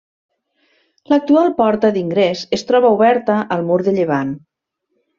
L'actual porta d'ingrés es troba oberta al mur de llevant.